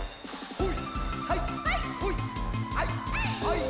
ほい！